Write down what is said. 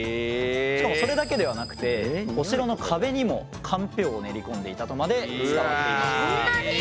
しかもそれだけではなくてお城の壁にもかんぴょうを練り込んでいたとまで伝わっています。